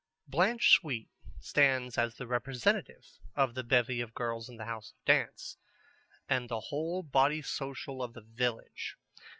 Blanche Sweet stands as the representative of the bevy of girls in the house of the dance, and the whole body social of the village.